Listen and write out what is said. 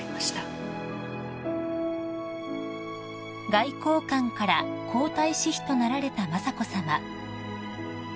［外交官から皇太子妃となられた雅子さま］